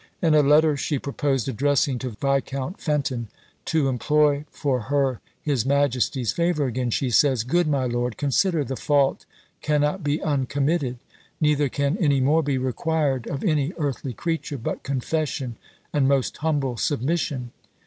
In a letter she proposed addressing to Viscount Fenton, to implore for her his majesty's favour again, she says, "Good my lord, consider the fault cannot be uncommitted; neither can any more be required of any earthly creature but confession and most humble submission."